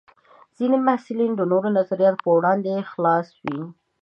ځینې محصلین د نوو نظریاتو پر وړاندې خلاص وي.